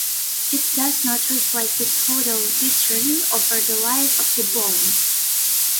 It does not reflect the total return over the life of the bond.